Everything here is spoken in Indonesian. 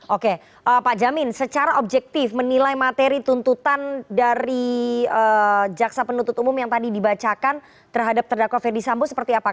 oke pak jamin secara objektif menilai materi tuntutan dari jaksa penuntut umum yang tadi dibacakan terhadap terdakwa ferdisambo seperti apa